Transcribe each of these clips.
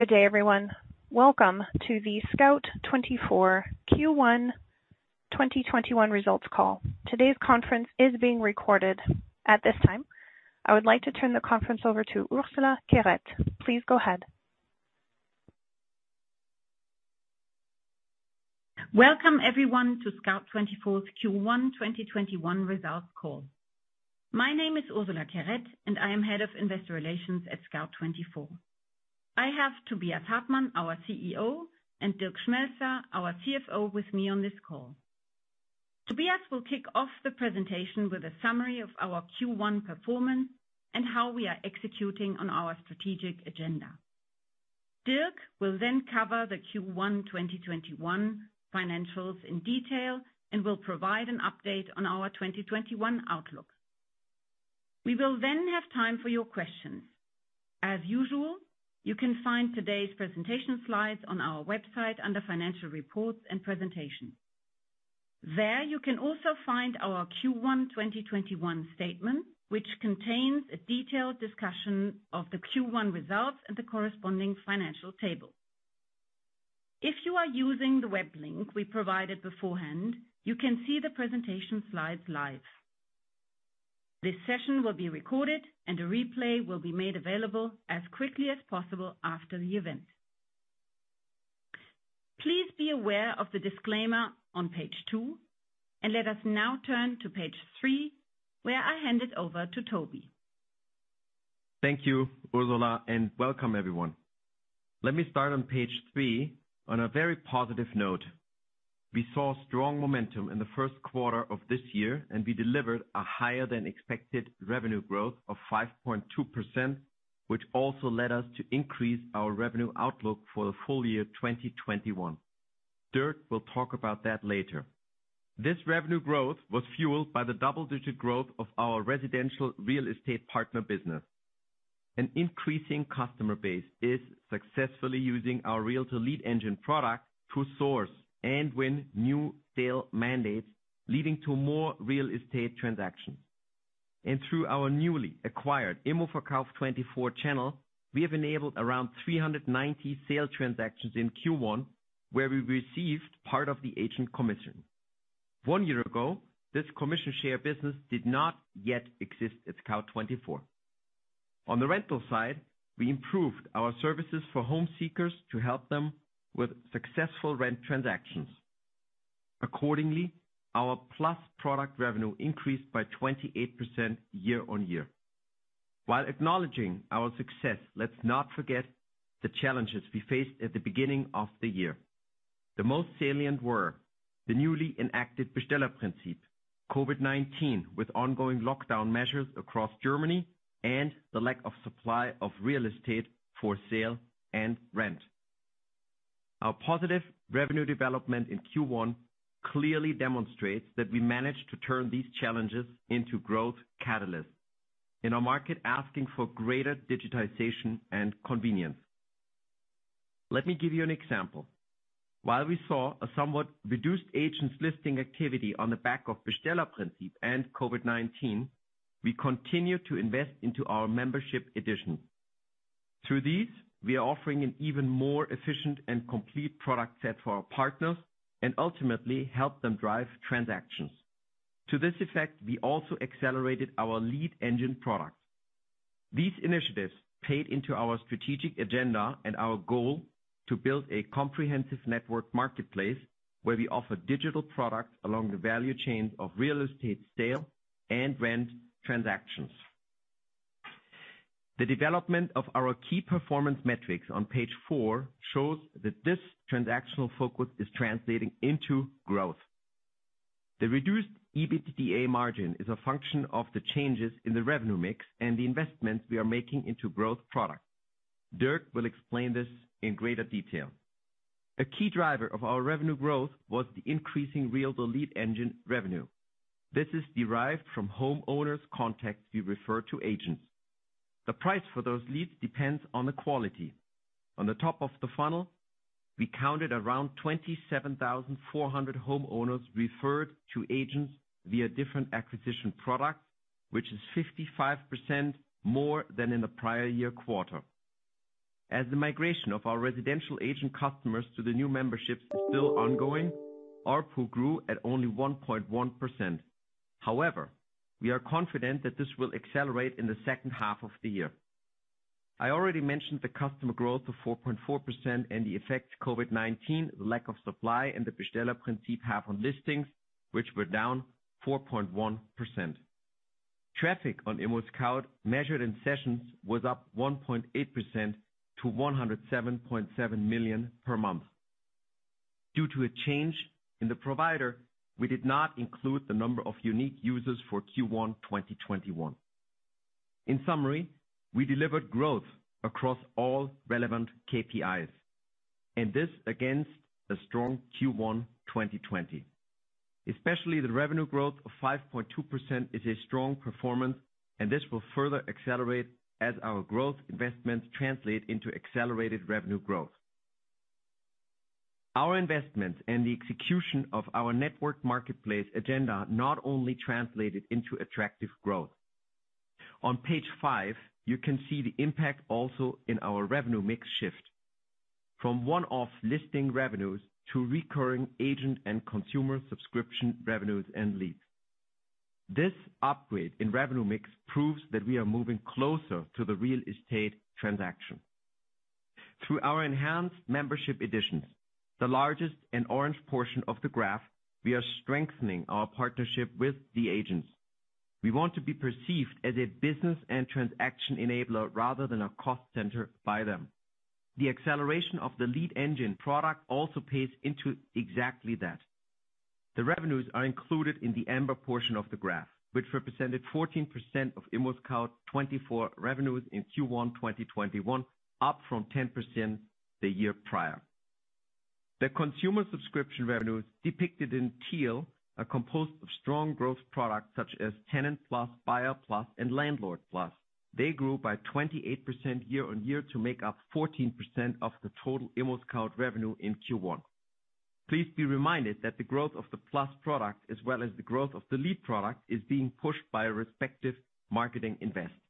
Good day, everyone. Welcome to the Scout24 Q1 2021 results call. Today's conference is being recorded. At this time, I would like to turn the conference over to Ursula Querette. Please go ahead. Welcome everyone to Scout24's Q1 2021 results call. My name is Ursula Querette, and I am head of investor relations at Scout24. I have Tobias Hartmann, our CEO, and Dirk Schmelzer, our CFO, with me on this call. Tobias will kick off the presentation with a summary of our Q1 performance and how we are executing on our strategic agenda. Dirk will then cover the Q1 2021 financials in detail and will provide an update on our 2021 outlook. We will then have time for your questions. As usual, you can find today's presentation slides on our website under Financial Reports and Presentation. There you can also find our Q1 2021 statement, which contains a detailed discussion of the Q1 results and the corresponding financial table. If you are using the web link we provided beforehand, you can see the presentation slides live. This session will be recorded and a replay will be made available as quickly as possible after the event. Please be aware of the disclaimer on page two. Let us now turn to page three, where I hand it over to Toby. Thank you, Ursula, and welcome everyone. Let me start on page three on a very positive note. We saw strong momentum in the Q1 of this year, and we delivered a higher than expected revenue growth of 5.2%, which also led us to increase our revenue outlook for the full-year 2021. Dirk will talk about that later. This revenue growth was fueled by the double-digit growth of our residential real estate partner business. An increasing customer base is successfully using our Realtor Lead Engine product to source and win new sale mandates, leading to more real estate transactions. Through our newly acquired immoverkauf24 channel, we have enabled around 390 sales transactions in Q1, where we received part of the agent commission. one year ago, this commission share business did not yet exist at Scout24. On the revenueal side, we improved our services for home seekers to help them with successful revenue transactions. Accordingly, our plus product revenue increased by 28% year-on-year. While acknowledging our success, let's not forget the challenges we faced at the beginning of the year. The most salient were the newly enacted Bestellerprinzip, COVID-19 with ongoing lockdown measures across Germany, and the lack of supply of real estate for sale and revenue. Our positive revenue development in Q1 clearly demonstrates that we managed to turn these challenges into growth catalysts in a market asking for greater digitization and convenience. Let me give you an example. While we saw a somewhat reduced agents listing activity on the back of Bestellerprinzip and COVID-19, we continued to invest into our membership edition. Through these, we are offering an even more efficient and complete product set for our partners and ultimately help them drive transactions. To this effect, we also accelerated our Realtor Lead Engine products. These initiatives paid into our strategic agenda and our goal to build a comprehensive network marketplace, where we offer digital products along the value chains of real estate sale and revenue transactions. The development of our key performance metrics on page four shows that this transactional focus is translating into growth. The reduced EBITDA margin is a function of the changes in the revenue mix and the investments we are making into growth products. Dirk will explain this in greater detail. A key driver of our revenue growth was the increasing Realtor Lead Engine revenue. This is derived from homeowners contacts we refer to agents. The price for those leads depends on the quality. On the top of the funnel, we counted around 27,400 homeowners referred to agents via revenue acquisition products, which is 55% more than in the prior year quarter. As the migration of our residential agent customers to the new memberships is still ongoing, our pool grew at only 1.1%. We are confident that this will accelerate in the H2 of the year. I already mentioned the customer growth of 4.4% and the effect COVID-19, the lack of supply, and the Bestellerprinzip have on listings, which were down 4.1%. Traffic on ImmoScout measured in sessions was up 1.8% to 107.7 million per month. Due to a change in the provider, we did not include the number of unique users for Q1 2021. In summary, we delivered growth across all relevant KPIs, this against a strong Q1 2020. Especially the revenue growth of 5.2% is a strong performance, and this will further accelerate as our growth investments translate into accelerated revenue growth. Our investments and the execution of our network marketplace agenda not only translated into attractive growth. On page five, you can see the impact also in our revenue mix shift from one-off listing revenues to recurring agent and consumer subscription revenues and leads. This upgrade in revenue mix proves that we are moving closer to the real estate transaction. Through our enhanced membership editions, the largest and orange portion of the graph, we are strengthening our partnership with the agents. We want to be perceived as a business and transaction enabler rather than a cost center by them. The acceleration of the lead engine product also pays into exactly that. The revenues are included in the amber portion of the graph, which represented 14% of ImmoScout24 revenues in Q1 2021, up from 10% the year prior. The consumer subscription revenues depicted in teal are composed of strong growth products such as TenantPlus, BuyerPlus, and Landlord Plus. They grew by 28% year-on-year to make up 14% of the total ImmoScout revenue in Q1. Please be reminded that the growth of the Plus product as well as the growth of the lead product is being pushed by respective marketing investments.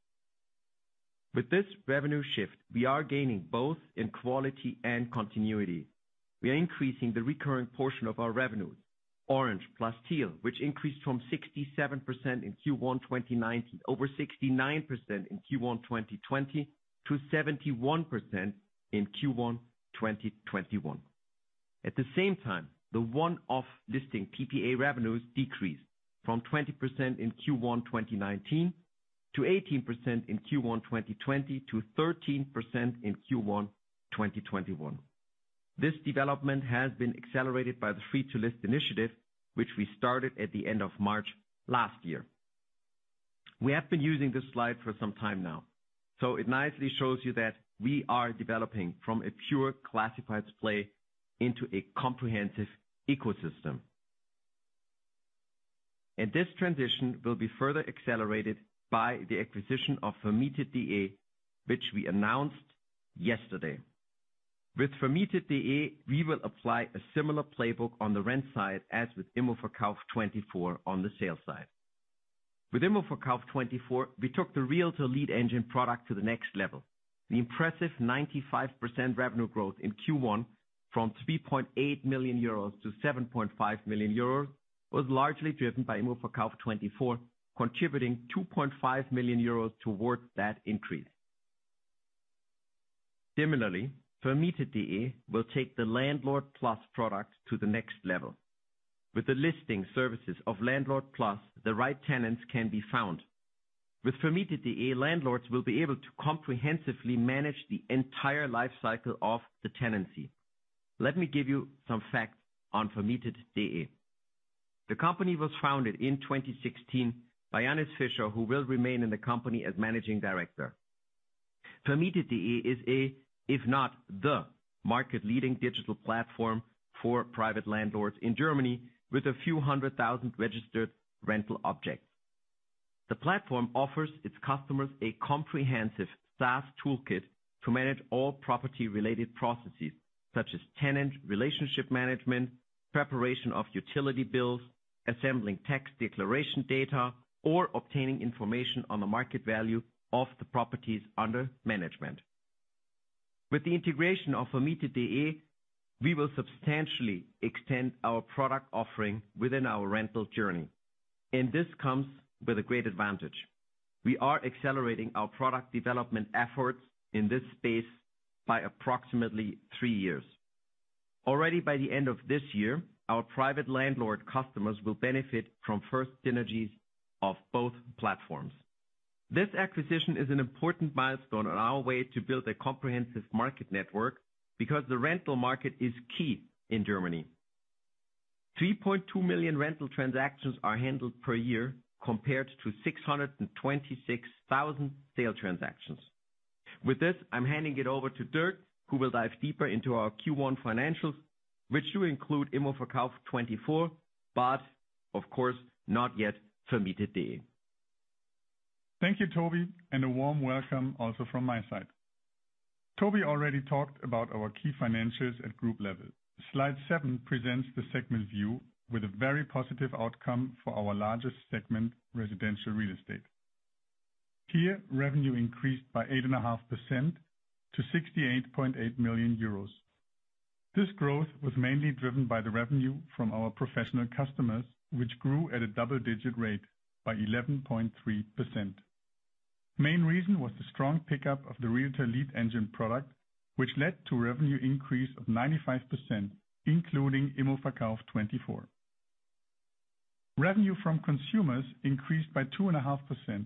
With this revenue shift, we are gaining both in quality and continuity. We are increasing the recurring portion of our revenues, orange plus teal, which increased from 67% in Q1 2019 over 69% in Q1 2020-71% in Q1 2021. At the same time, the one-off listing PPA revenues decreased from 20% in Q1 2019-18% in Q1 2020-13% in Q1 2021. This development has been accelerated by the free to list initiative, which we started at the end of March last year. It nicely shows you that we are developing from a pure classifieds play into a comprehensive ecosystem. This transition will be further accelerated by the acquisition of vermietet.de, which we announced yesterday. With vermietet.de, we will apply a similar playbook on the revenue side as with immoverkauf24 on the sales side. With immoverkauf24, we took the Realtor Lead Engine product to the next level. The impressive 95% revenue growth in Q1 from 3.8 million-7.5 million euros was largely driven by immoverkauf24, contributing 2.5 million euros towards that increase. Similarly, vermietet.de will take the Landlord Plus product to the next level. With the listing services of Landlord Plus, the right tenants can be found. With vermietet.de, landlords will be able to comprehensively manage the entire life cycle of the tenancy. Let me give you some facts on vermietet.de. The company was founded in 2016 by Jannes Fischer, who will remain in the company as managing director. Vermietet.de is a, if not the market leading digital platform for private landlords in Germany with a few hundred thousand registered revenue objects. The platform offers its customers a comprehensive SaaS toolkit to manage all property related processes such as tenant relationship management, preparation of utility bills, assembling tax declaration data, or obtaining information on the market value of the properties under management. With the integration of vermietet.de, we will substantially extend our product offering within our revenue journey. This comes with a great advantage. We are accelerating our product development efforts in this space by approximately three years. Already by the end of this year, our private landlord customers will benefit from first synergies of both platforms. This acquisition is an important milestone on our way to build a comprehensive market network because the revenue market is key in Germany. 3.2 million revenue transactions are handled per year, compared to 626,000 sale transactions. With this, I'm handing it over to Dirk, who will dive deeper into our Q1 financials, which do include immoverkauf24, but of course not yet vermietet.de. Thank you, Toby, and a warm welcome also from my side. Toby already talked about our key financials at group level. Slide seven presents the segment view with a very positive outcome for our largest segment, residential real estate. Here, revenue increased by 8.5% to 68.8 million euros. This growth was mainly driven by the revenue from our professional customers, which grew at a double-digit rate by 11.3%. Main reason was the strong pickup of the Realtor Lead Engine product, which led to revenue increase of 95%, including immoverkauf24. Revenue from consumers increased by 2.5%.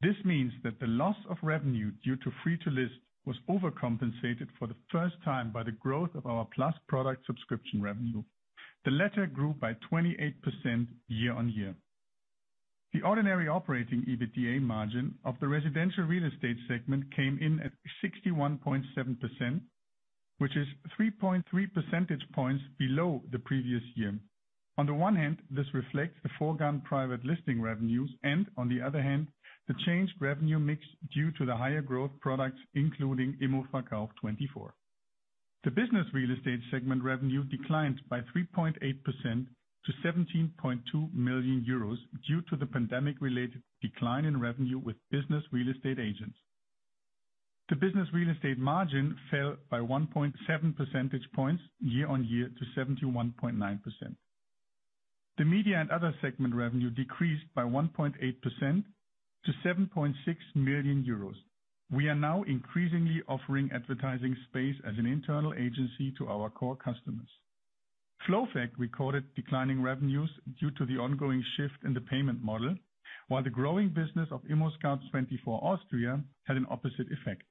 This means that the loss of revenue due to free to list was overcompensated for the first time by the growth of our Plus product subscription revenue. The latter grew by 28% year-on-year. The ordinary operating EBITDA margin of the residential real estate segment came in at 61.7%, which is 3.3 percentage points below the previous year. On the one hand, this reflects the foregone private listing revenues, and on the other hand, the changed revenue mix due to the higher growth products, including immoverkauf24. The business real estate segment revenue declined by 3.8% to 17.2 million euros due to the pandemic-related decline in revenue with business real estate agents. The business real estate margin fell by 1.7 percentage points year-on-year to 71.9%. The media and other segment revenue decreased by 1.8% to 7.6 million euros. We are now increasingly offering advertising space as an internal agency to our core customers. FlowFact recorded declining revenues due to the ongoing shift in the payment model, while the growing business of ImmoScout24 Austria had an opposite effect.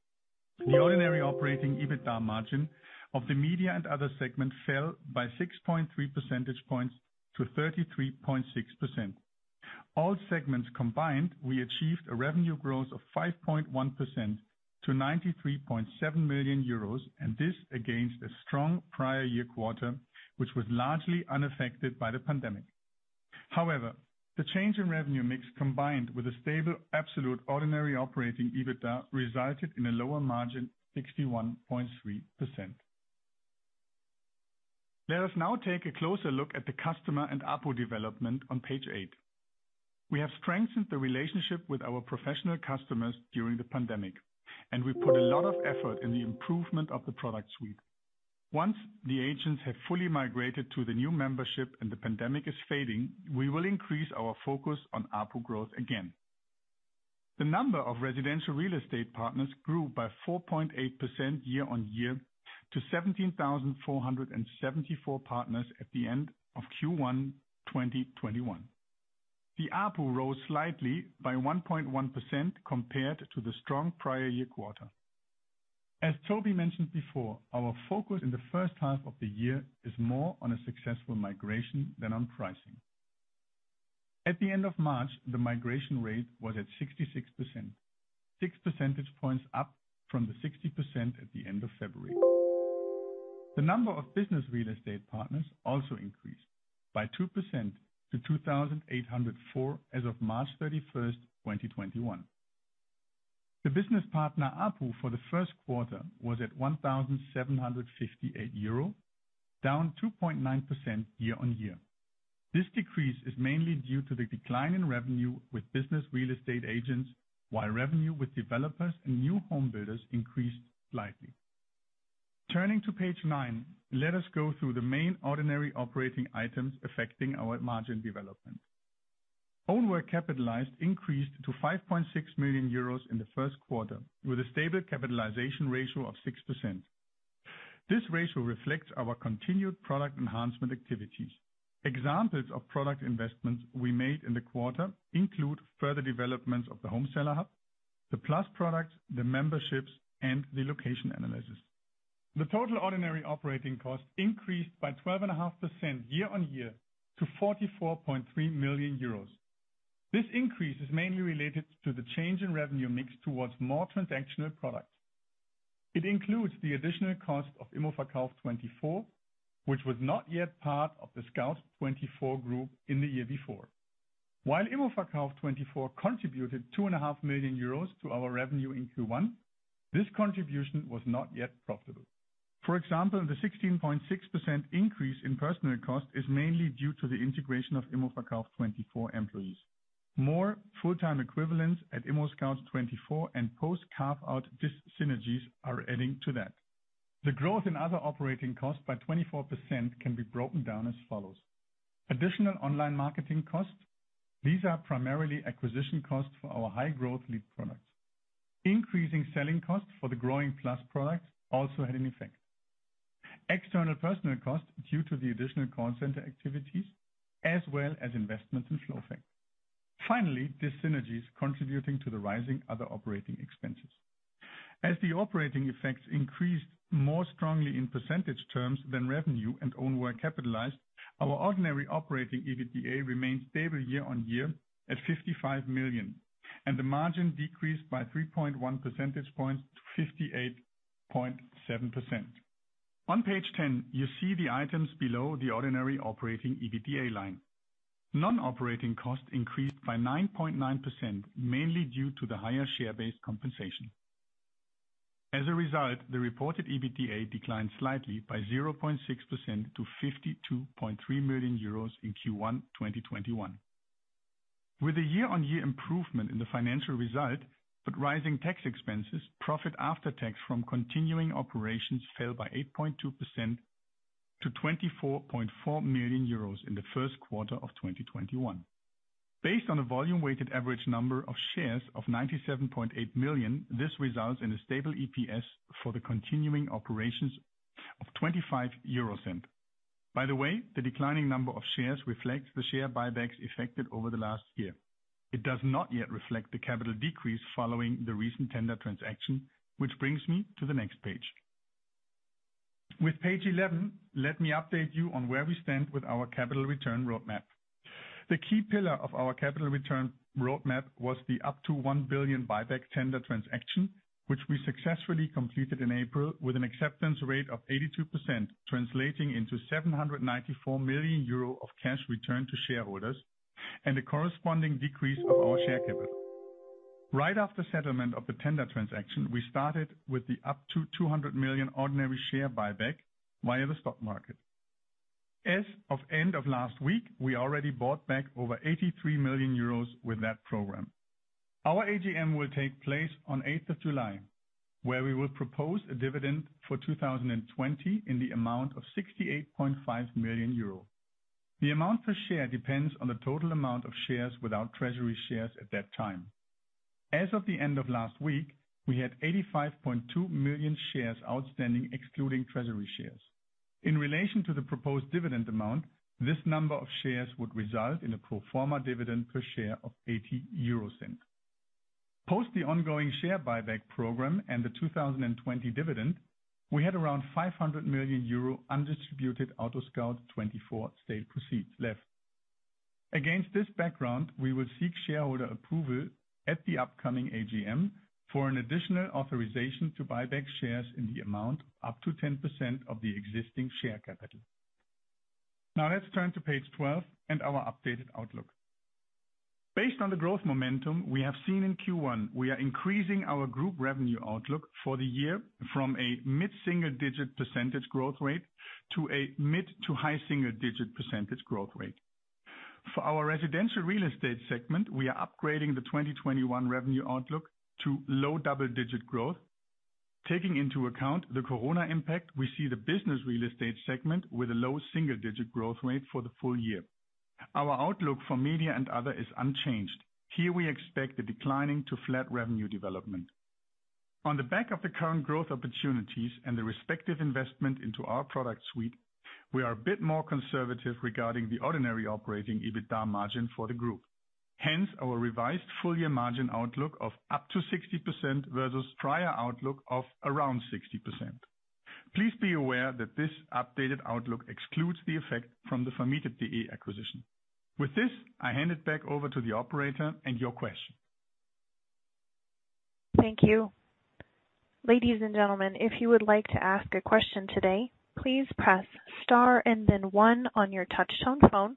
The ordinary operating EBITDA margin of the media and other segments fell by 6.3 percentage points-33.6%. All segments combined, we achieved a revenue growth of 5.1% to 93.7 million euros, and this against a strong prior year quarter, which was largely unaffected by the pandemic. However, the change in revenue mix, combined with a stable absolute ordinary operating EBITDA, resulted in a lower margin of 61.3%. Let us now take a closer look at the customer and ARPU development on page eight. We have strengthened the relationship with our professional customers during the pandemic, and we put a lot of effort in the improvement of the product suite. Once the agents have fully migrated to the new membership and the pandemic is fading, we will increase our focus on ARPU growth again. The number of residential real estate partners grew by 4.8% year-on-year to 17,474 partners at the end of Q1 2021. The ARPU rose slightly by 1.1% compared to the strong prior year quarter. As Toby mentioned before, our focus in the H1 of the year is more on a successful migration than on pricing. At the end of March, the migration rate was at 66%, 6 percentage points up from the 16% at the end of February. The number of business real estate partners also increased by 2% to 2,804 as of March 31st, 2021. The business partner ARPU for the Q1 was at 1,758 euro, down 2.9% year-on-year. This decrease is mainly due to the decline in revenue with business real estate agents, while revenue with developers and new home builders increased slightly. Turning to page nine, let us go through the main ordinary operating items affecting our margin development. Own work capitalized increased to 5.6 million euros in the Q1, with a stable capitalization ratio of 6%. This ratio reflects our continued product enhancement activities. Examples of product investments we made in the quarter include further developments of the Home Seller Hub, the plus products, the memberships, and the location analysis. The total ordinary operating cost increased by 12.5% year-on-year to 44.3 million euros. This increase is mainly related to the change in revenue mix towards more transactional products. It includes the additional cost of immoverkauf24, which was not yet part of the Scout24 Group in the year before. While immoverkauf24 contributed 2.5 million euros to our revenue in Q1, this contribution was not yet profitable. For example, the 16.6% increase in personal cost is mainly due to the integration of immoverkauf24 employees. More full-time equivalents at ImmoScout24 and post-carve-out dyssynergies are adding to that. The growth in other operating costs by 24% can be broken down as follows. Additional online marketing costs. These are primarily acquisition costs for our high-growth lead products. Increasing selling costs for the growing plus products also had an effect. External personnel costs due to the additional call center activities, as well as investments in FlowFact. Finally, dyssynergies contributing to the rising other operating expenses. As the operating effects increased more strongly in percentage terms than revenue and own work capitalized, our ordinary operating EBITDA remained stable year-on-year at 55 million, and the margin decreased by 3.1 percentage points to 58.7%. On page 10, you see the items below the ordinary operating EBITDA line. Non-operating costs increased by 9.9%, mainly due to the higher share-based compensation. As a result, the reported EBITDA declined slightly by 0.6% to 52.3 million euros in Q1 2021. With a year-over-year improvement in the financial result, but rising tax expenses, profit after tax from continuing operations fell by 8.2% to 24.4 million euros in the Q1 of 2021. Based on a volume weighted average number of shares of 97.8 million, this results in a stable EPS for the continuing operations of 0.25. By the way, the declining number of shares reflects the share buybacks effected over the last year. It does not yet reflect the capital decrease following the recent tender transaction, which brings me to the next page. With page 11, let me update you on where we stand with our capital return roadmap. The key pillar of our capital return roadmap was the up to 1 billion buyback tender transaction, which we successfully completed in April with an acceptance rate of 82%, translating into 794 million euro of cash returned to shareholders, and a corresponding decrease of our share capital. Right after settlement of the tender transaction, we started with the up to 200 million ordinary share buyback via the stock market. As of end of last week, we already bought back over 83 million euros with that program. Our AGM will take place on July 8th, where we will propose a dividend for 2020 in the amount of 68.5 million euro. The amount per share depends on the total amount of shares without treasury shares at that time. As of the end of last week, we had 85.2 million shares outstanding, excluding treasury shares. In relation to the proposed dividend amount, this number of shares would result in a pro forma dividend per share of 0.80. Post the ongoing share buyback program and the 2020 dividend, we had around 500 million euro undistributed AutoScout24 sale proceeds left. Against this background, we will seek shareholder approval at the upcoming AGM for an additional authorization to buy back shares in the amount up to 10% of the existing share capital. Let's turn to page 12 and our updated outlook. Based on the growth momentum we have seen in Q1, we are increasing our group revenue outlook for the year from a mid-single digit percentage growth rate to a mid to high single-digit percentage growth rate. For our residential real estate segment, we are upgrading the 2021 revenue outlook to low double-digit growth. Taking into account the corona impact, we see the business real estate segment with a low single-digit growth rate for the full-year. Our outlook for media and other is unchanged. Here, we expect a declining to flat revenue development. On the back of the current growth opportunities and the respective investment into our product suite, we are a bit more conservative regarding the ordinary operating EBITDA margin for the group. Hence, our revised full-year margin outlook of up to 60% versus prior outlook of around 60%. Please be aware that this updated outlook excludes the effect from the vermietet.de acquisition. With this, I hand it back over to the operator and your question. Thank you. Ladies and gentlemen, if you would like to as a question today, please press star and then one on your touchtone phone.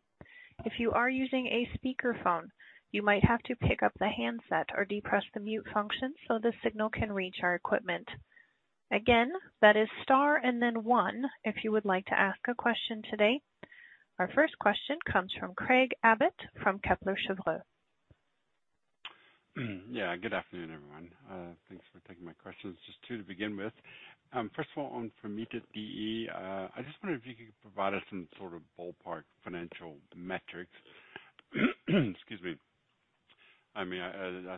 If you are using a speakerphone, you might have to pick up the handset or depress the mute function, so the signal can reach our equipment. Again, that is star and then one if you would like to ask a question today. Our first question comes from Craig Abbott from Kepler Cheuvreux. Yeah. Good afternoon, everyone. Thanks for taking my questions. Just two to begin with. First of all, on Vermietet.de, I just wonder if you could provide us some sort of ballpark financial metrics. Excuse me. I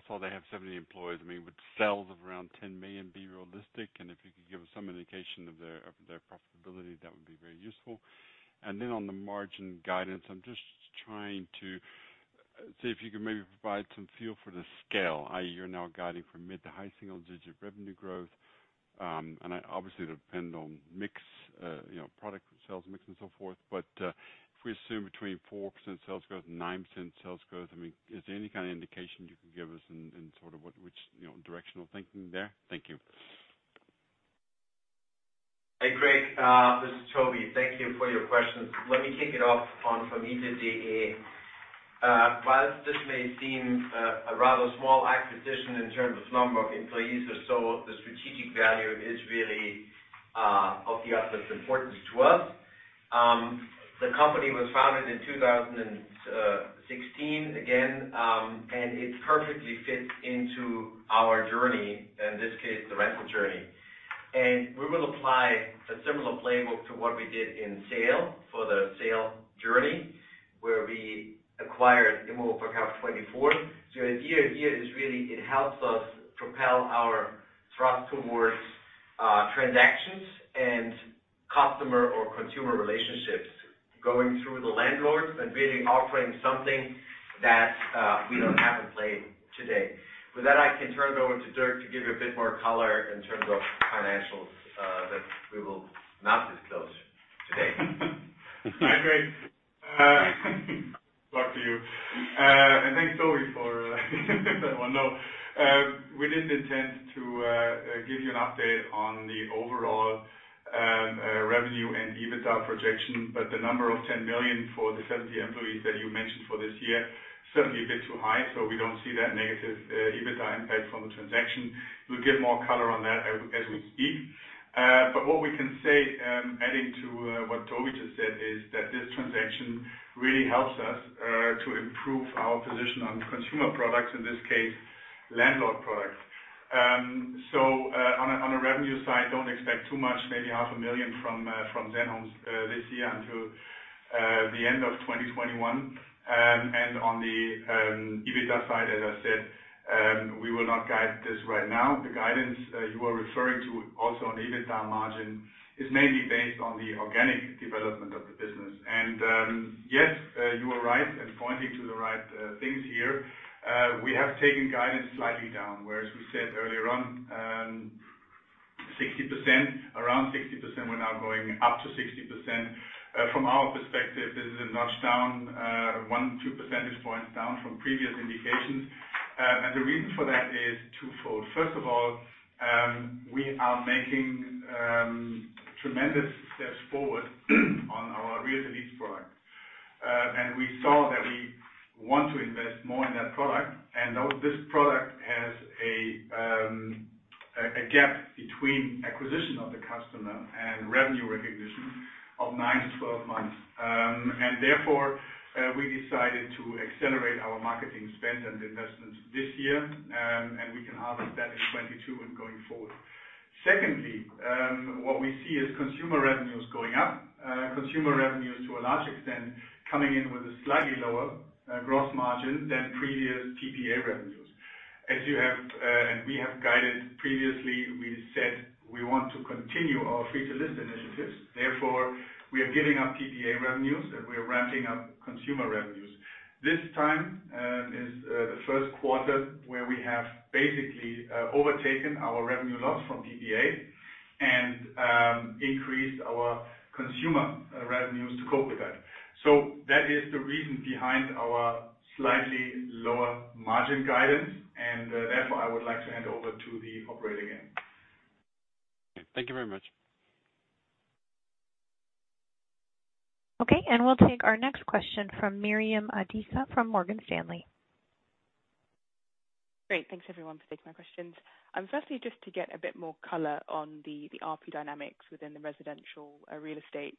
saw they have 70 employees. Would sales of around 10 million be realistic? If you could give us some indication of their profitability, that would be very useful. On the margin guidance, I'm just trying to see if you could maybe provide some feel for the scale, i.e., you're now guiding for mid to high single digit revenue growth. Obviously it will depend on product sales mix and so forth, but if we assume between 4% sales growth and 9% sales growth, is there any kind of indication you can give us in sort of which directional thinking there? Thank you. Hey, Craig. This is Toby. Thank you for your questions. Let me kick it off on vermietet.de. While this may seem a rather small acquisition in terms of number of employees or so, the strategic value is really of the utmost importance to us. The company was founded in 2016, again, and it perfectly fits into our journey, in this case, the rental journey. We will apply a similar playbook to what we did in sale for the sale journey, where we acquired immoverkauf24. The idea here is really it helps us propel our thrust towards transactions and customer or consumer relationships going through the landlords and really offering something that we don't have in play today. With that, I can turn it over to Dirk to give you a bit more color in terms of financials that we will not disclose today. Hi, Craig. Thanks, Toby, for that one. We didn't intend to give you an update on the overall revenue and EBITDA projection, the number of 10 million for the 70 employees that you mentioned for this year, certainly a bit too high. We don't see that negative EBITDA impact from the transaction. We'll give more color on that as we speak. What we can say, adding to what Toby just said, is that this transaction really helps us to improve our position on consumer products, in this case, Landlord products. On a revenue side, don't expect too much, maybe half a million from vermietet.de this year until the end of 2021. On the EBITDA side, as I said, we will not guide this right now. The guidance you are referring to also on EBITDA margin is mainly based on the organic development of the business. Yes, you are right in pointing to the right things here. We have taken guidance slightly down, whereas we said earlier on 60%, around 60%. We're now going up to 60%. From our perspective, this is a notch down, 1, 2 percentage points down from previous indications. The reason for that is twofold. First of all, we are making tremendous steps forward on our real estate product. We saw that we want to invest more in that product, and this product has a gap between acquisition of the customer and revenue recognition of nine-12 months. Therefore, we decided to accelerate our marketing spend and investments this year, and we can harvest that in 2022 and going forward. Secondly, what we see is consumer revenues going up. Consumer revenues, to a large extent, coming in with a slightly lower gross margin than previous PPA revenues. As you have, and we have guided previously, we said we want to continue our free to list initiatives. Therefore, we are giving up PPA revenues, and we are ramping up consumer revenues. This time is the Q1 where we have basically overtaken our revenue loss from PPA and increased our consumer revenues to cope with that. That is the reason behind our slightly lower margin guidance, and therefore, I would like to hand over to the operating team. Thank you very much. Okay. We'll take our next question from Miriam Adisa from Morgan Stanley. Great. Thanks everyone for taking my questions. Firstly, just to get a bit more color on the ARPU dynamics within the residential real estate.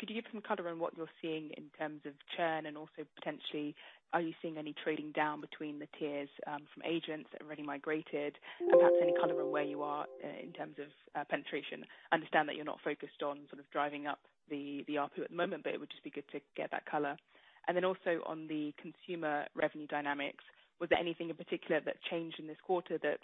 Could you give some color on what you're seeing in terms of churn and also potentially are you seeing any trading down between the tiers, from agents that have already migrated? Perhaps any color on where you are in terms of penetration. Understand that you're not focused on sort of driving up the ARPU at the moment, but it would just be good to get that color. Also on the consumer revenue dynamics, was there anything in particular that changed in this quarter that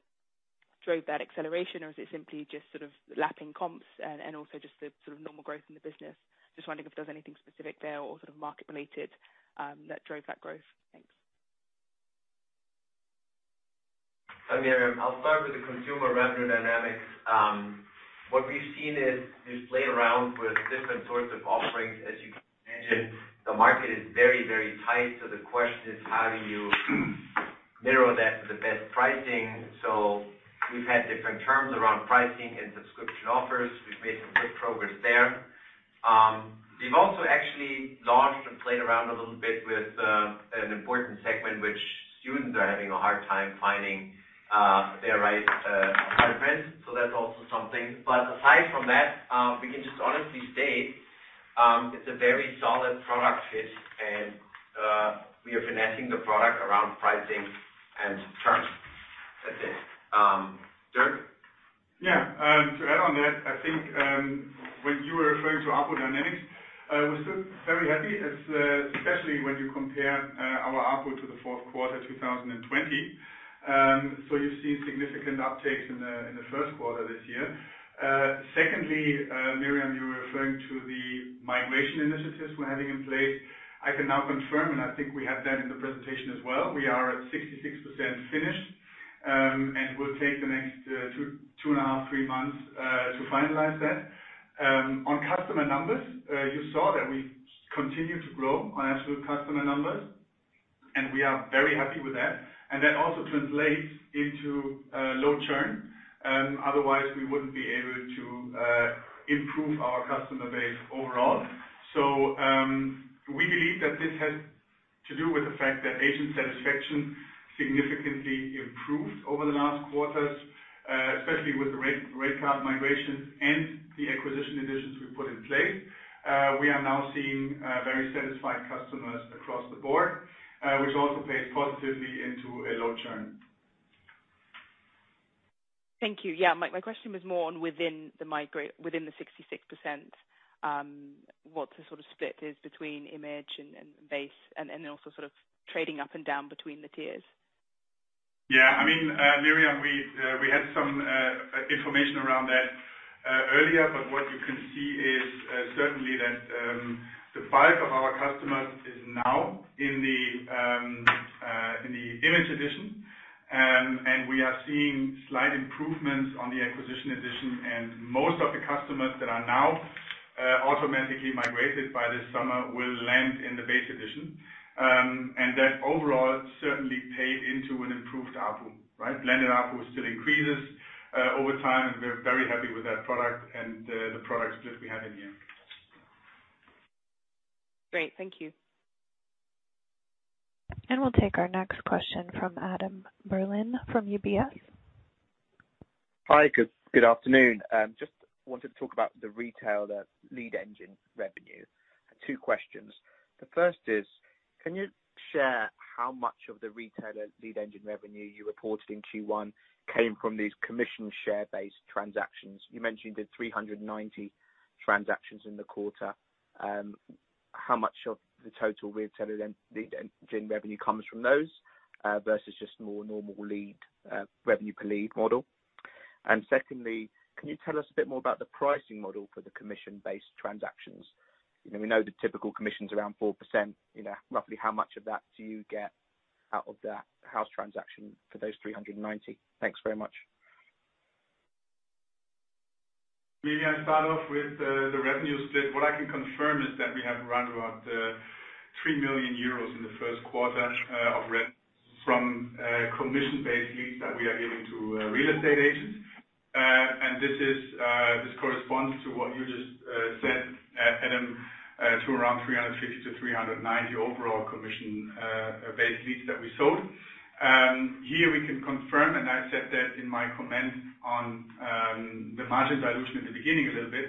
drove that acceleration? Is it simply just sort of lapping comps and also just the sort of normal growth in the business? Just wondering if there was anything specific there or sort of market related, that drove that growth? Thanks. Miriam, I'll start with the consumer revenue dynamics. What we've seen is, we've played around with different sorts of offerings. As you can imagine, the market is very, very tight. The question is, how do you narrow that to the best pricing? We've had different terms around pricing and subscription offers. We've made some good progress there. We've also actually launched and played around a little bit with an important segment, which students are having a hard time finding, their right apartment. That's also something. Aside from that, we can just honestly state, it's a very solid product fit and we are finessing the product around pricing and terms. That's it. Dirk? Yeah. To add on that, I think, when you were referring to ARPU dynamics, we're still very happy, especially when you compare our ARPU to the Q4 2020. You've seen significant uptakes in the Q1 this year. Secondly, Miriam, you were referring to the migration initiatives we're having in place. I can now confirm, and I think we have that in the presentation as well, we are at 66% finished. We'll take the next two and a half, three months to finalize that. On customer numbers, you saw that we continue to grow on absolute customer numbers, and we are very happy with that. That also translates into low churn. Otherwise, we wouldn't be able to improve our customer base overall. We believe that this has to do with the fact that agent satisfaction significantly improved over the last quarters, especially with rate card migration and the Acquisition Editions we put in place. We are now seeing very satisfied customers across the board, which also plays positively into a low churn. Thank you. Yeah, my question was more on within the 66%, what the sort of split is between Image and Base and then also sort of trading up and down between the tiers. Yeah. I mean, Miriam, we had some information around that earlier, but what you can see is certainly that the bulk of our customers is now in the Image Edition. We are seeing slight improvements on the Acquisition Edition. Most of the customers that are now automatically migrated by this summer will land in the Base Edition. That overall certainly paid into an improved ARPU, right? Blended ARPU still increases, over time. We're very happy with that product and the product split we have in here. Great. Thank you. We'll take our next question from Adam Berlin from UBS. Hi. Good afternoon. Just wanted to talk about the Realtor Lead Engine revenue. Two questions. The first is, can you share how much of the Realtor Lead Engine revenue you reported in Q1 came from these commission share-based transactions? You mentioned the 390 transactions in the quarter. How much of the total Realtor Lead Engine revenue comes from those, versus just more normal revenue per lead model? Secondly, can you tell us a bit more about the pricing model for the commission-based transactions? We know the typical commission's around 4%. Roughly how much of that do you get out of that house transaction for those 390. Thanks very much. Maybe I start off with the revenue split. What I can confirm is that we have around about 3 million euros in the Q1 of rent from commission-based leads that we are giving to real estate agents. This corresponds to what you just said, Adam Berlin, to around 350-390 overall commission-based leads that we sold. Here we can confirm, and I said that in my comments on the margin dilution in the beginning a little bit.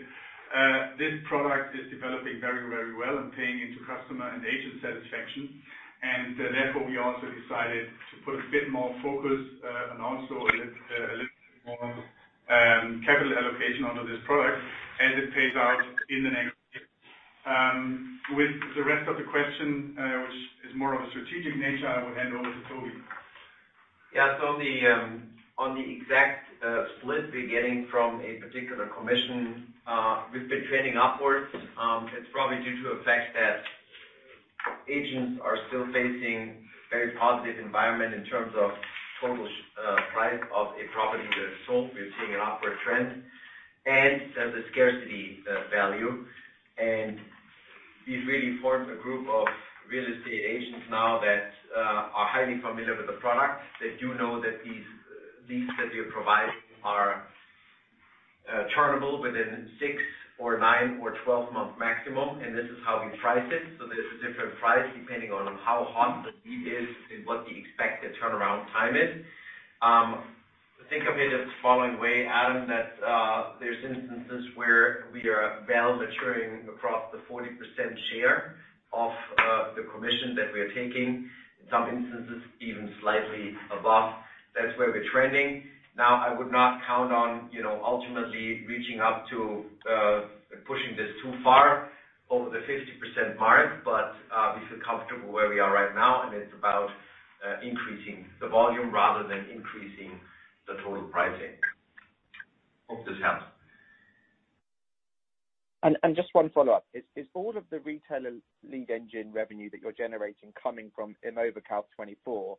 This product is developing very well and paying into customer and agent satisfaction. Therefore, we also decided to put a bit more focus, and also a little bit more capital allocation onto this product as it pays out. With the rest of the question, which is more of a strategic nature, I will hand over to Toby. On the exact split we're getting from a particular commission, we've been trending upwards. It's probably due to the fact that agents are still facing very positive environment in terms of total price of a property that is sold. We're seeing an upward trend and there's a scarcity value. We've really formed a group of real estate agents now that are highly familiar with the product. They do know that these leads that we are providing are turnable within six or nine or 12 months maximum, and this is how we price it. There's a different price depending on how hot the lead is and what the expected turnaround time is. Think of it as the following way, Adam, that there's instances where we are well maturing across the 40% share of the commission that we are taking. In some instances, even slightly above. That's where we're trending. I would not count on ultimately reaching up to pushing this too far over the 50% mark, but we feel comfortable where we are right now, and it's about increasing the volume rather than increasing the total pricing. Hope this helps. Just one follow-up. Is all of the Realtor Lead Engine revenue that you're generating coming from ImmoScout24,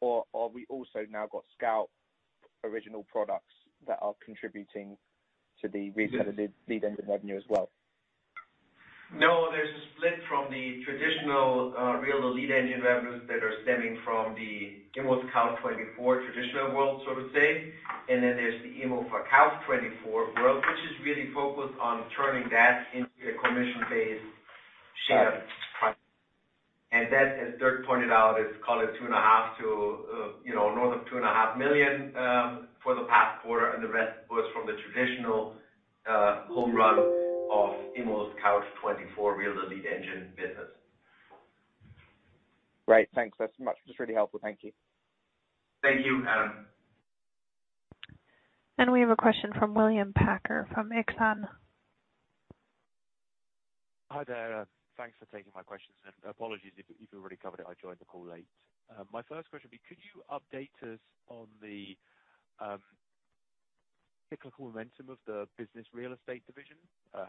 or we also now got Scout original products that are contributing to the Realtor Lead Engine revenue as well? No, there's a split from the traditional Realtor Lead Engine revenues that are stemming from the ImmoScout24 traditional world, so to say. There's the ImmoScout24 world, which is really focused on turning that into a commission-based share price. That, as Dirk pointed out, is call it 2.5 To north of 2.5 Million for the past quarter, and the rest was from the traditional home run of ImmoScout24 Realtor Lead Engine business. Great. Thanks. That's really helpful. Thank you. Thank you, Adam. We have a question from William Packer from Exane. Hi there. Thanks for taking my questions. Apologies if you've already covered it, I joined the call late. My first question would be, could you update us on the cyclical momentum of the business real estate division?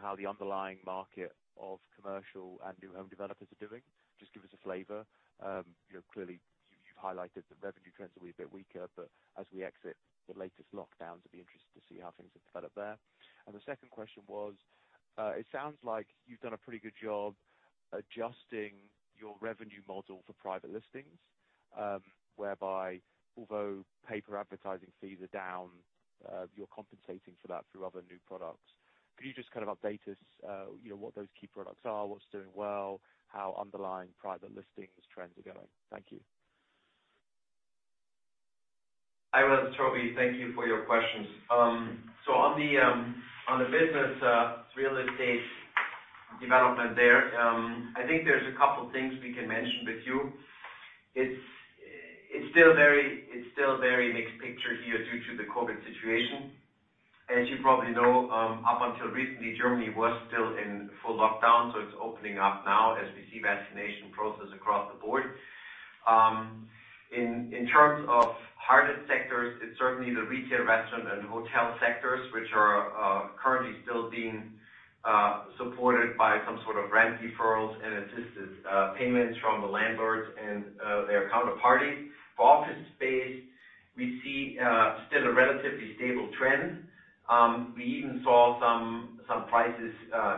How the underlying market of commercial and new home developers are doing? Just give us a flavor. Clearly you've highlighted the revenue trends will be a bit weaker, but as we exit the latest lockdowns, it'd be interesting to see how things have developed there. The second question was, it sounds like you've done a pretty good job adjusting your revenue model for private listings, whereby although pay per advertising fees are down, you're compensating for that through other new products. Could you just update us, what those key products are, what's doing well, how underlying private listings trends are going? Thank you. Hi, William. It's Toby. Thank you for your questions. On the business real estate development there, I think there's a couple things we can mention with you. It's still a very mixed picture here due to the COVID situation. As you probably know, up until recently, Germany was still in full lockdown, it's opening up now as we see vaccination process across the board. In terms of hardest sectors, it's certainly the retail, restaurant, and hotel sectors, which are currently still being supported by some sort of rent deferrals and assisted payments from the landlords and their counterparties. For office space, we see still a relatively stable trend. We even saw some prices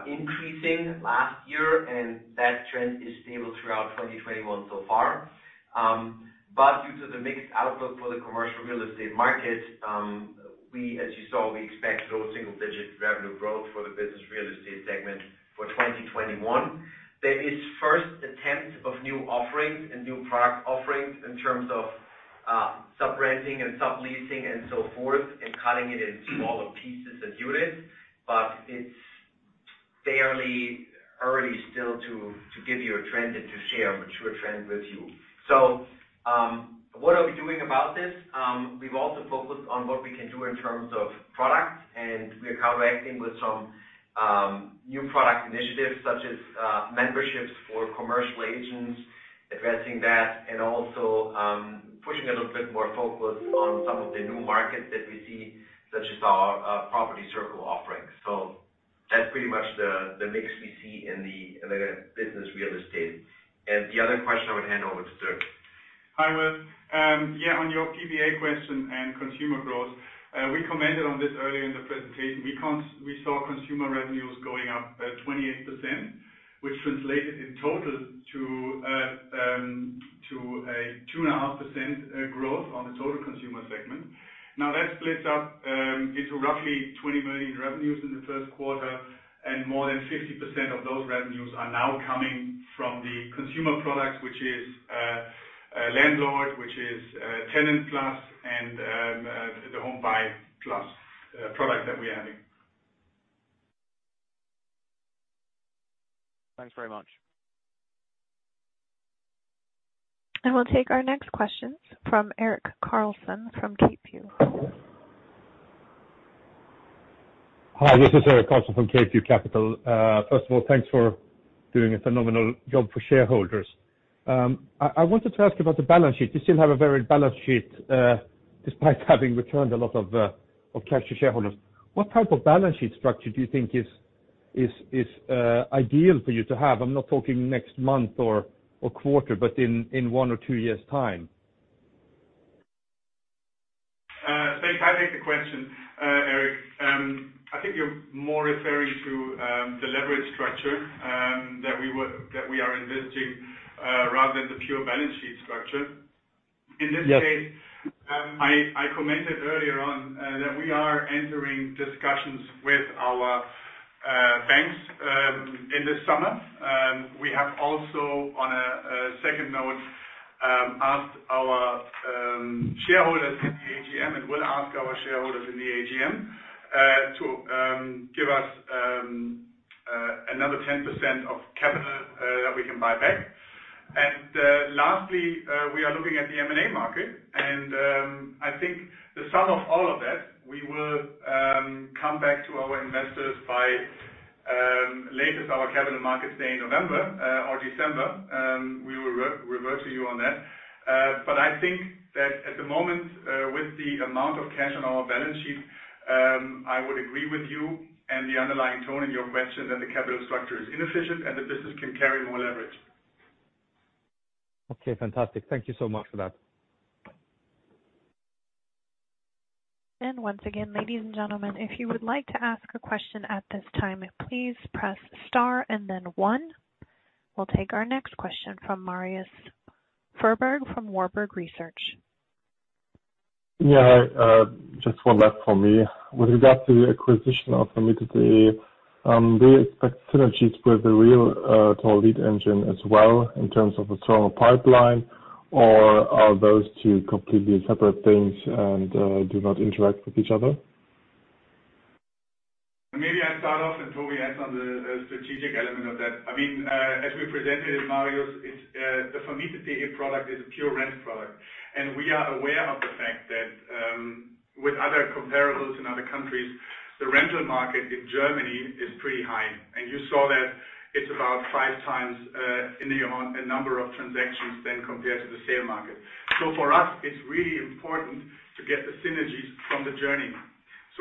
increasing last year, that trend is stable throughout 2021 so far. Due to the mixed outlook for the commercial real estate market, as you saw, we expect low single-digit revenue growth for the business real estate segment for 2021. There is first attempt of new offerings and new product offerings in terms of sub-renting and sub-leasing and so forth, and cutting it into smaller pieces and units. It's fairly early still to give you a trend and to share a mature trend with you. What are we doing about this? We've also focused on what we can do in terms of product, and we are collaborating with some new product initiatives, such as memberships for commercial agents, addressing that, and also pushing a little bit more focus on some of the new markets that we see, such as our property circle offerings. That's pretty much the mix we see in the business real estate. The other question, I would hand over to Dirk. Hi, Will. Yeah, on your PPA question and consumer growth, we commented on this earlier in the presentation. We saw consumer revenues going up by 28%, which translated in total to a 2.5% growth on the total consumer segment. That splits up into roughly 20 million revenues in the Q1, and more than 50% of those revenues are now coming from the consumer products, which is Landlord, which is TenantPlus and the BuyerPlus product that we are having. Thanks very much. We'll take our next question from Eric Carlson from K2. Hi, this is Eric Carlson from K2 Capital. First of all, thanks for doing a phenomenal job for shareholders. I wanted to ask about the balance sheet. You still have a varied balance sheet, despite having returned a lot of cash to shareholders. What type of balance sheet structure do you think is ideal for you to have? I'm not talking next month or quarter, but in one or two years' time. Thanks. I take the question, Eric. I think you're more referring to the leverage structure that we are investing rather than the pure balance sheet structure. Yes. In this case, I commented earlier on that we are entering discussions with our banks in this summer. We have also, on a second note, asked our shareholders in the AGM and will ask our shareholders in the AGM to give us another 10% of capital that we can buy back. Lastly, we are looking at the M&A market, and I think the sum of all of that, we will come back to our investors by latest our capital markets day in November or December. We will revert to you on that. I think that at the moment, with the amount of cash on our balance sheet, I would agree with you and the underlying tone in your question that the capital structure is inefficient and the business can carry more leverage. Okay. Fantastic. Thank you so much for that. Once again, ladies and gentlemen, if you would like to ask a question at this time, please press star and then one. We'll take our next question from Marius Fuhrberg from Warburg Research. Yeah. Just one left from me. With regard to the acquisition of vermietet.de, do you expect synergies with the Realtor Lead Engine as well in terms of a stronger pipeline, or are those two completely separate things and do not interact with each other? Maybe I'll start off, Tobi adds on the strategic element of that. As we presented it, Marius, the vermietet.de product is a pure rent product. We are aware of the fact that with other comparables in other countries, the rental market in Germany is pretty high. You saw that it's about 5x in the number of transactions than compared to the sale market. For us, it's really important to get the synergies from the journey.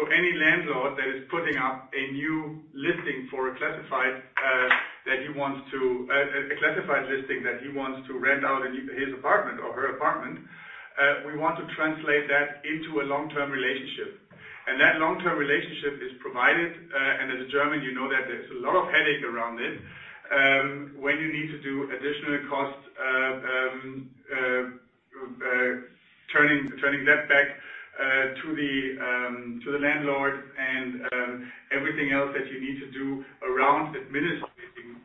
Any landlord that is putting up a new classified listing that he wants to rent out his apartment or her apartment, we want to translate that into a long-term relationship. That long-term relationship is provided, and as a German, you know that there's a lot of headache around it. When you need to do additional costs, turning that back to the landlord and everything else that you need to do around administrating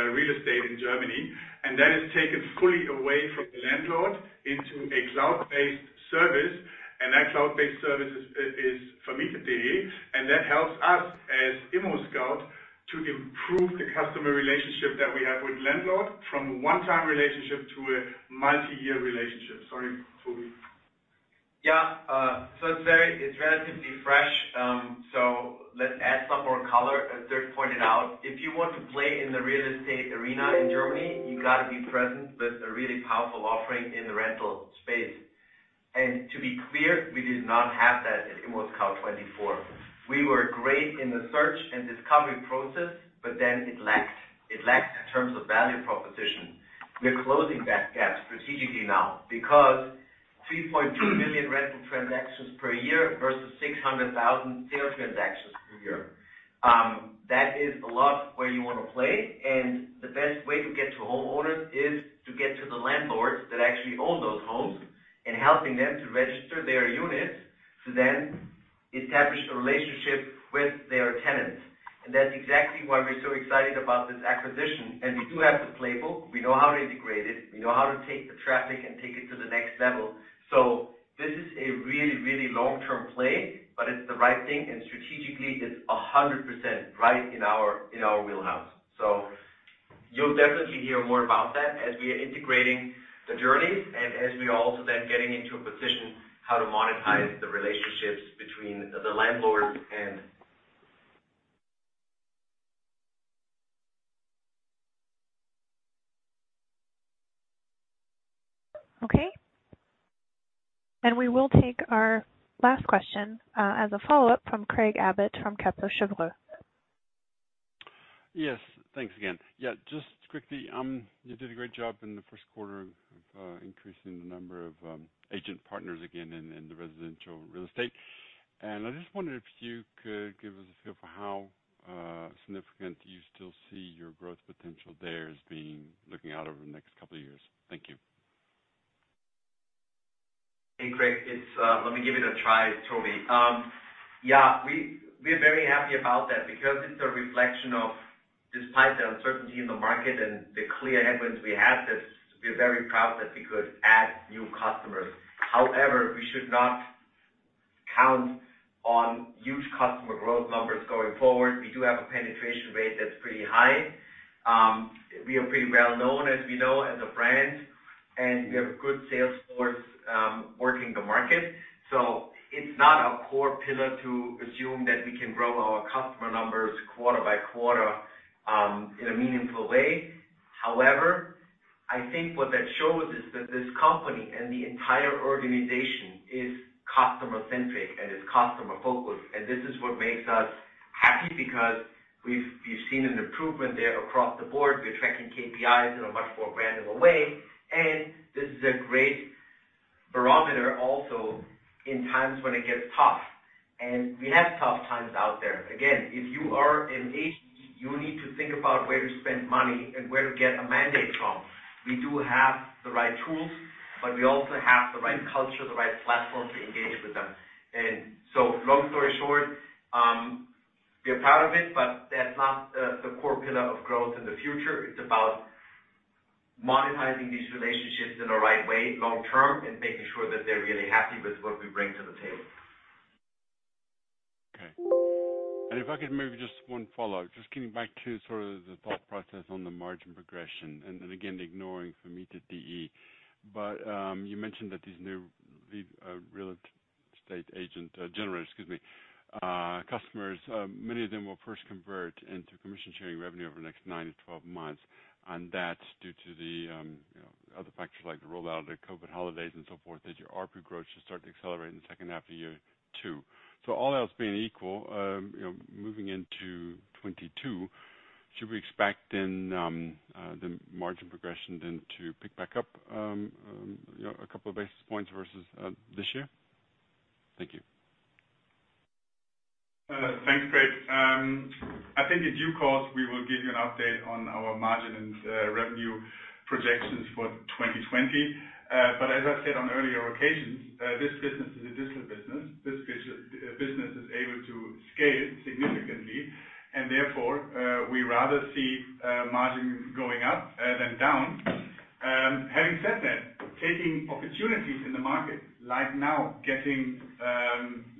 a real estate in Germany, that is taken fully away from the landlord into a cloud-based service, and that cloud-based service is vermietet.de, and that helps us as ImmoScout24 to improve the customer relationship that we have with landlord from a one-time relationship to a multi-year relationship. Sorry, Tobias Hartmann. Yeah. It's relatively fresh. Let's add some more color. As Dirk pointed out, if you want to play in the real estate arena in Germany, you got to be present with a really powerful offering in the rental space. To be clear, we did not have that at ImmoScout24. We were great in the search and discovery process, but then it lacked. It lacked in terms of value proposition. We're closing that gap strategically now because 3.2 million rental transactions per year versus 600,000 sale transactions per year. That is a lot where you want to play, and the best way to get to homeowners is to get to the landlords that actually own those homes and helping them to register their units to then establish a relationship with their tenants. That's exactly why we're so excited about this acquisition. We do have the playbook. We know how to integrate it. We know how to take the traffic and take it to the next level. This is a really, really long-term play, but it's the right thing, and strategically, it's 100% right in our wheelhouse. You'll definitely hear more about that as we are integrating the journeys and as we are also then getting into a position how to monetize the relationships between the landlords and. We will take our last question as a follow-up from Craig Abbott from Kepler Cheuvreux. Yes, thanks again. Just quickly, you did a great job in the Q1 of increasing the number of agent partners again in the residential real estate. I just wondered if you could give us a feel for how significant you still see your growth potential there as looking out over the next couple of years. Thank you. Hey, Craig. Let me give it a try, Tobi. Yeah, we're very happy about that because it's a reflection of despite the uncertainty in the market and the clear headwinds we had, we're very proud that we could add new customers. However, we should not count on huge customer growth numbers going forward. We do have a penetration rate that's pretty high. We are pretty well-known, as we know, as a brand, and we have good sales force working the market. It's not a core pillar to assume that we can grow our customer numbers quarter-by-quarter in a meaningful way. However, I think what that shows is that this company and the entire organization is customer-centric and is customer-focused. This is what makes us happy because we've seen an improvement there across the board. We're tracking KPIs in a much more granular way. This is a great barometer also in times when it gets tough, and we have tough times out there. Again, if you are an agent, you need to think about where to spend money and where to get a mandate from. We do have the right tools, but we also have the right culture, the right platform to engage with them. Long story short, we are proud of it, but that's not the core pillar of growth in the future. It's about monetizing these relationships in the right way long-term and making sure that they're really happy with what we bring to the table. Okay. If I could maybe just one follow-up, just coming back to sort of the thought process on the margin progression, again, ignoring vermietet.de. You mentioned that these new real estate agent generators, excuse me, customers, many of them will first convert into commission-sharing revenue over the next nine-12 months. That's due to the other factors like the rollout of the COVID holidays and so forth, that your ARPU growth should start to accelerate in the second half of year two. All else being equal, moving into 2022, should we expect then the margin progression then to pick back up a couple of basis points versus this year? Thank you. Thanks, Craig. I think in due course, we will give you an update on our margin and revenue projections for 2020. As I said on earlier occasions, this business is a digital business. This business is able to scale significantly, and therefore, we rather see margins going up than down. Having said that, taking opportunities in the market, like now getting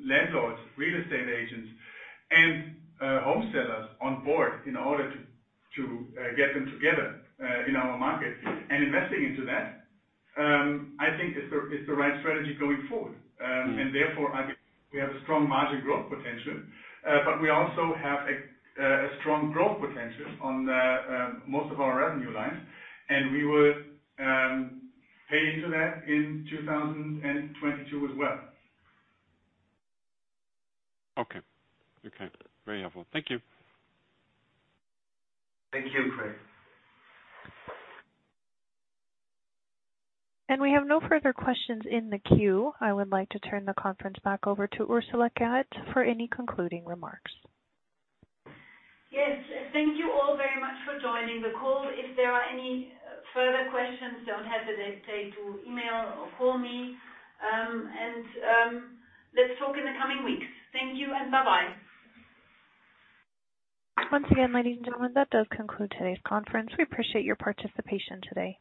landlords, real estate agents, and home sellers on board in order to get them together in our market and investing into that, I think is the right strategy going forward. Therefore, I think we have a strong margin growth potential, but we also have a strong growth potential on most of our revenue lines, and we will pay into that in 2022 as well. Okay. Very helpful. Thank you. Thank you, Craig. We have no further questions in the queue. I would like to turn the conference back over to Ursula Querette for any concluding remarks. Yes. Thank you all very much for joining the call. If there are any further questions, don't hesitate to email or call me. Let's talk in the coming weeks. Thank you, and bye-bye. Once again, ladies and gentlemen, that does conclude today's conference. We appreciate your participation today.